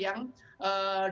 yang tidak menemukan urgensinya